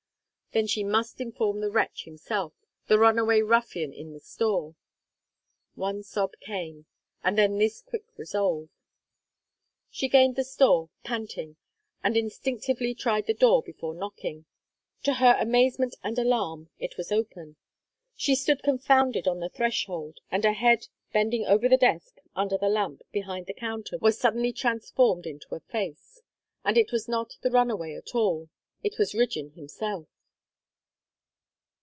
Then she must inform the wretch himself, the runaway ruffian in the store! One sob came, and then this quick resolve. She gained the store, panting; and instinctively tried the door before knocking. To her amazement and alarm it was open. She stood confounded on the threshold, and a head bending over the desk, under the lamp, behind the counter, was suddenly transformed into a face. And it was not the runaway at all; it was Rigden himself!